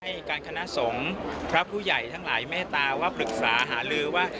การคณะสงฆ์พระผู้ใหญ่ทั้งหลายเมตตาว่าปรึกษาหาลือว่า